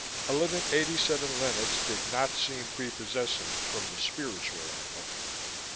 Eleven eighty seven Lenox did not seem prepossessing from the spiritual angle.